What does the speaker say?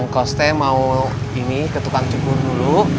koste mau ke tukang cukur dulu